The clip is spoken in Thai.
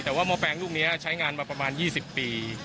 แต่ว่าหม้อแปลงลูกนี้ใช้งานมาประมาณ๒๐ปี